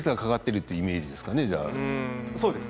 そうですね。